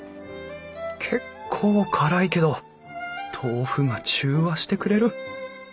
結構辛いけど豆腐が中和してくれる！